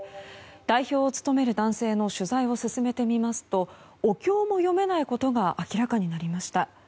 代表を務める男性の取材を進めてみますとお経も読めないことが明らかになりました。